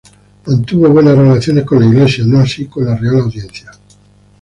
Mantuvo buenas relaciones con la Iglesia, no así con la Real Audiencia.